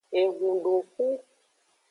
Ehundoxu.